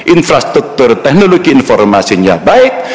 infrastruktur teknologi informasinya baik